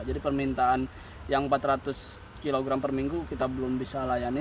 jadi permintaan yang empat ratus kilogram per minggu kita belum bisa layannya